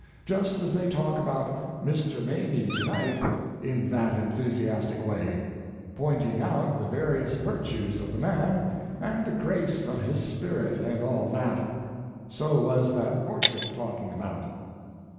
Just as they talk about Mr. Mabie to night, in that enthusiastic way, pointing out the various virtues of the man and the grace of his spirit, and all that, so was that portrait talked about.